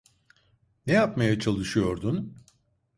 Ne yapmaya çalışıyordun?